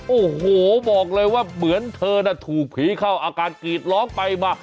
โอ้โหบอกเลยว่าเหมือนเธอน่ะถูกผีเข้าอาการกรีดร้องไปมา